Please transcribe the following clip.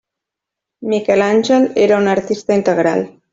Miquel Àngel era un artista integral.